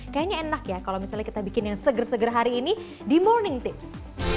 kayaknya enak ya kalau misalnya kita bikin yang seger seger hari ini di morning tips